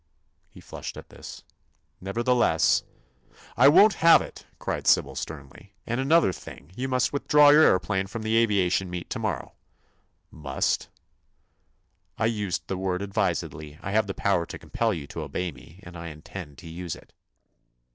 He flushed at this. "Nevertheless—" "I won't have it!" cried Sybil, sternly. "And, another thing: you must withdraw your aëroplane from the aviation meet to morrow." "Must?" "I used the word advisedly. I have the power to compel you to obey me, and I intend to use it."